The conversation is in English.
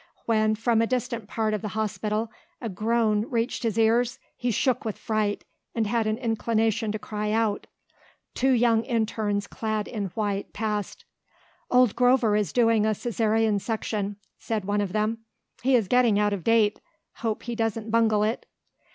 When, from a distant part of the hospital, a groan reached his ears he shook with fright and had an inclination to cry out. Two young interns clad in white passed. "Old Grover is doing a Caesarian section," said one of them; "he is getting out of date. Hope he doesn't bungle it."